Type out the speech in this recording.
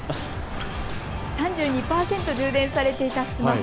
３２％充電されていたスマホ。